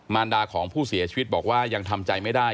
รดาของผู้เสียชีวิตบอกว่ายังทำใจไม่ได้